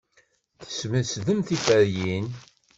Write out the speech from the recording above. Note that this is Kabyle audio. Tesmesdemt tiferyin.